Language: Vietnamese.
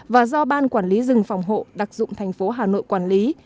và do ban quản lý rừng phòng hộ đặc dụng thành phố hà nội quản lý